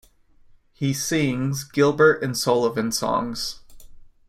He sings Gilbert and Sullivan songs.